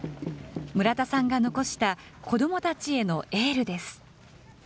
村田さんが残した子どもたちへのエールです。